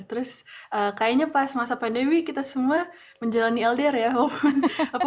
terus kayaknya pas masa pandemi kita semua menjalani ldr ya